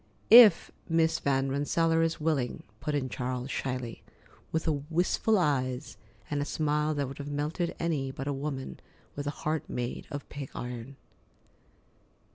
"If Miss Van Rensselaer is willing," put in Charles shyly, with wistful eyes and a smile that would have melted any but a woman with a heart made of pig iron.